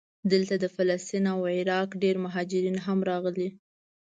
دلته د فلسطین او عراق ډېر مهاجرین هم راغلي.